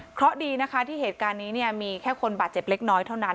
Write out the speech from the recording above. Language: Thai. เพราะดีนะคะที่เหตุการณ์นี้มีแค่คนบาดเจ็บเล็กน้อยเท่านั้น